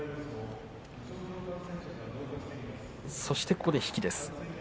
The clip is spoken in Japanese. そしてここで引きです。